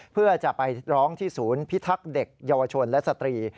เพื่อจะไปร้องที่ศูนย์พิทักษ์เด็กเยาวชนและสตรี